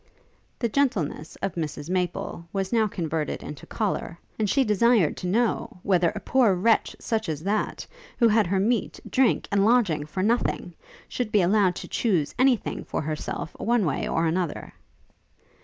The gentleness of Mrs Maple was now converted into choler; and she desired to know, whether a poor wretch such as that, who had her meat, drink, and lodging for nothing, should be allowed to chuse any thing for herself one way or another.